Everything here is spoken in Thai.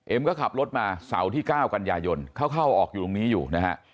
ก็ขับรถมาเสาร์ที่๙กันยายนเขาเข้าออกอยู่ตรงนี้อยู่นะฮะ